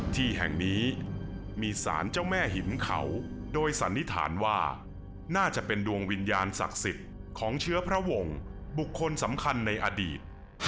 ที่แห่งนี้มีสารเจ้าแม่หินเขาโดยสันนิษฐานว่าน่าจะเป็นดวงวิญญาณศักดิ์สิทธิ์ของเชื้อพระวงศ์บุคคลสำคัญในอดีต